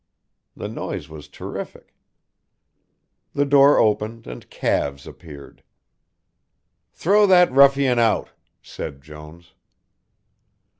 The noise was terrific. The door opened and calves appeared. "Throw that ruffian out," said Jones.